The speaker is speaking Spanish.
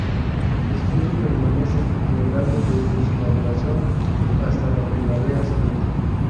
Los frutos permanecen en el árbol desde su maduración hasta la primavera siguiente.